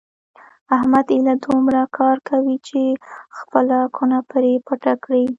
احمد ایله دومره کار کوي چې خپله کونه پرې پټه کړي.